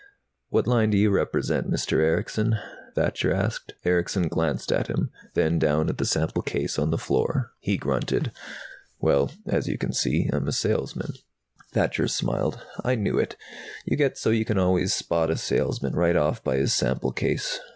"What line do you represent, Mr. Erickson?" Thacher asked. Erickson glanced at him, then down at the sample case on the floor. He grunted. "Well, as you can see, I'm a salesman." Thacher smiled. "I knew it! You get so you can always spot a salesman right off by his sample case.